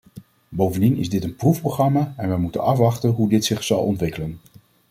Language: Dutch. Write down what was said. Bovendien is dit een proefprogramma en wij moeten afwachten hoe dit zich zal ontwikkelen.